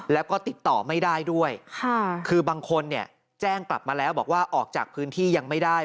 แล้วก็ติดต่อไม่ได้ด้วยค่ะคือบางคนเนี่ยแจ้งกลับมาแล้วบอกว่าออกจากพื้นที่ยังไม่ได้